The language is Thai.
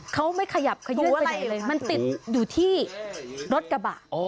เขาไม่ขยับขยุอะไรเลยมันติดอยู่ที่รถกระบะ